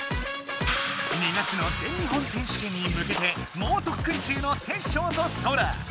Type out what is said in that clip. ２月の全日本選手権にむけてもうとっくん中のテッショウとソラ。